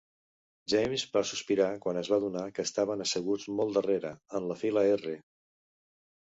James va sospirar quan es va adonar que estaven asseguts molt darrere, en la fila R.